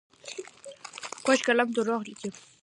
کوږ قلم دروغ لیکي